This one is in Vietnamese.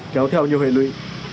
kéo theo nhiều hệ luy